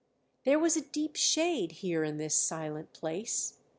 There was deep shade here in this silent place.